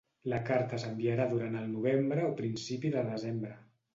La carta s’enviarà durant el novembre o principi de desembre.